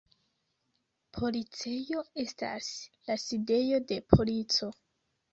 Policejo estas la sidejo de polico.